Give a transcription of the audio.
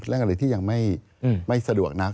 อะไรที่ยังไม่สะดวกนัก